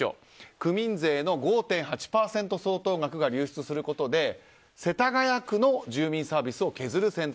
区民税の５．８％相当額が流出することで、世田谷区の住民サービスを削る選択